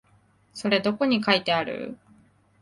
それどこに書いてある？